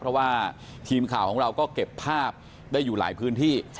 เพราะว่าทีมข่าวของเราก็เก็บภาพได้อยู่หลายพื้นที่